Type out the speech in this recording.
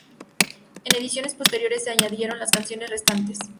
En ediciones posteriores se añadieron las canciones restantes.